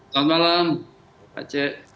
selamat malam aceh